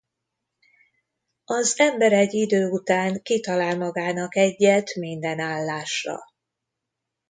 Az ember egy idő után kitalál magának egyet minden állásra.